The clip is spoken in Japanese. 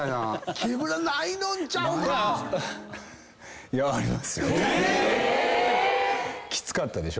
木村ないのんちゃうか⁉え⁉「キツかった」でしょ？